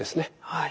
はい。